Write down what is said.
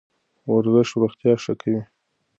ورزش روغتیا ښه کوي.